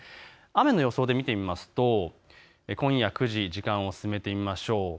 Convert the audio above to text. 雨の予想で見てみますと今夜９時、時間を進めてみましょう。